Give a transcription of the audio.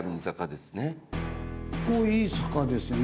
ここいい坂ですよ